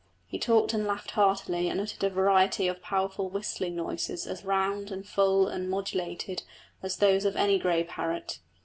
He talked and laughed heartily and uttered a variety of powerful whistling notes as round and full and modulated as those of any grey parrot.